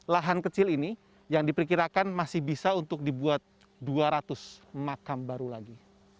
lahan kecil ini yang diperkirakan masih bisa untuk dibuat dua ratus makam baru lagi